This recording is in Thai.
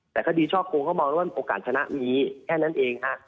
แต่คดีชอบโครงเขาบอกว่าโอกาสชนะมีแค่นั้นเองค่ะ